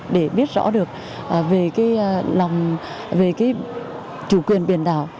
để biết rõ được về cái lòng về cái chủ quyền biển đảo